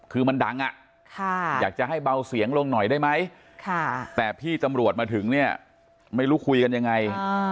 คือมันดังอยากจะให้เบาเสียงลงหน่อยได้ไหมแต่พี่ตำรวจมาถึงเนี่ยไม่รู้คุยกันยังไง